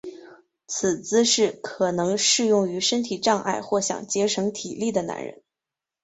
此姿势可能适用于身体障碍或想节省体力的男人。